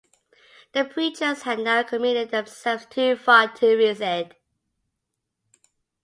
The preachers had now committed themselves too far to recede.